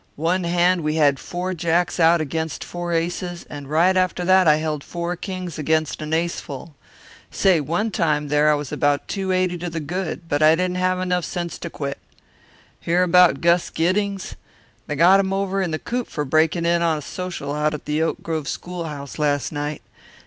One hand we had four jacks out against four aces, and right after that I held four kings against an ace full. Say, one time there I was about two eighty to the good, but I didn't have enough sense to quit. Hear about Gus Giddings? They got him over in the coop for breaking in on a social out at the Oak Grove schoolhouse last night.